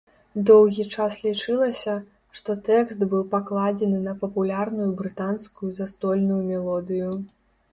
Доўгі час лічылася, што тэкст быў пакладзены на папулярную брытанскую застольную мелодыю.